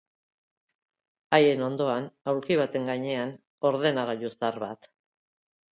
Haien ondoan, aulki baten gainean, ordenagailu zahar bat.